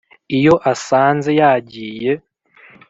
iyo asanze yagiye,